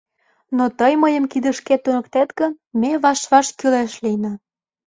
Но тый мыйым кидышкет туныктет гын, ме ваш-ваш кӱлеш лийына.